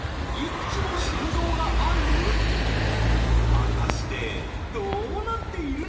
果たしてどうなっているのか？